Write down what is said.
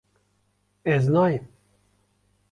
Ez nayêm